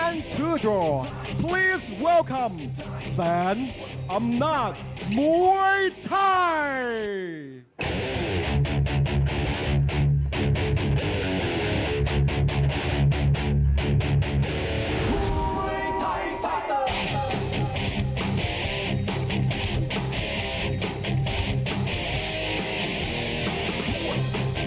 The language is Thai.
มวยไทยมวยไทยมวย